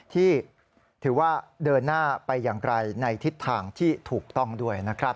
ที่ถือว่าเดินหน้าไปอย่างไกลในทิศทางที่ถูกต้องด้วยนะครับ